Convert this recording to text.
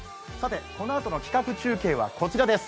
このあとの企画中継は、こちらです。